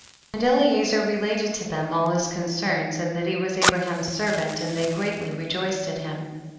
38. And Eliezer related to them all his concerns, and that he was Abraham's servant, and they gi eatly rejoiced at him.